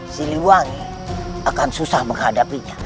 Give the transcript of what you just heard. siliwangi akan susah menghadapinya